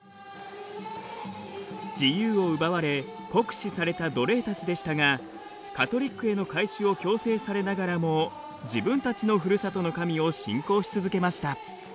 自由を奪われ酷使された奴隷たちでしたがカトリックへの改宗を強制されながらも自分たちのふるさとの神を信仰し続けました。